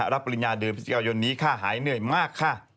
ปริญญาเดือนพฤศจิกายนนี้ค่าหายเหนื่อยมากค่ะ